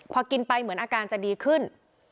พอกินไปเหมือนอาการจะดีขึ้น